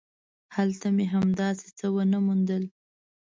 هلته مې هم داسې څه ونه موندل.